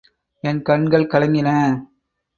என் கண்கள் கலங்கின.